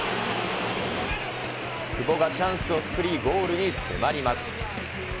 久保がチャンスを作り、ゴールに迫ります。